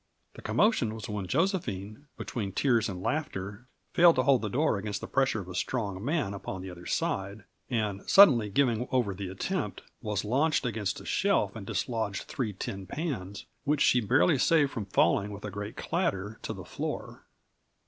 The commotion was when Josephine, between tears and laughter, failed to hold the door against the pressure of a strong man upon the other side, and, suddenly giving over the attempt, was launched against a shelf and dislodged three tin pans, which she barely saved from falling with a great clatter to the floor.